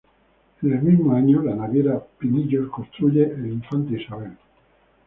En el mismo año la Naviera Pinillos construye el "Infanta Isabel".